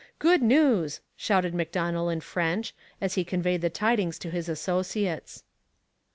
'Good news,' shouted Macdonell in French, as he conveyed the tidings to his associates.